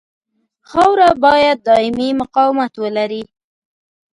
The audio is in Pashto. خاوره باید دایمي مقاومت ولري